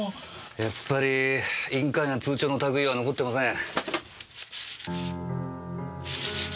やっぱり印鑑や通帳の類は残ってません。